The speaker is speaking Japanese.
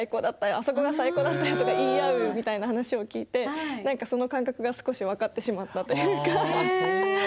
あそこが最高だったよとか言い合うみたいな話を聞いて何かその感覚が少し分かってしまったというか。